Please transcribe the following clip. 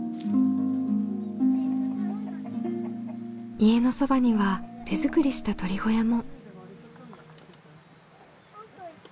家のそばには手作りした鶏小屋も。